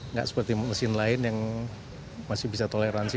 nggak seperti mesin lain yang masih bisa toleransi